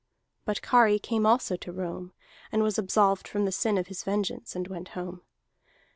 But Kari came also to Rome, and was absolved from the sin of his vengeance, and went home.